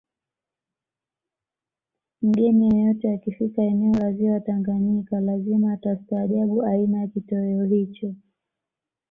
Mgeni yeyote akifika eneo la ziwa Tanganyika lazima atastahajabu aina ya kitoweo hicho